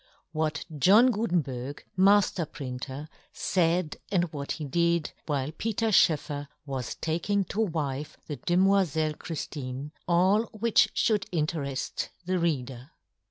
What yohn Gutenberg, Majier printeryfaid, and what he did, while Peter Schoefferwas taking to wife the demoifelle Chrijiine ; all which Jhould inter^eji the reader.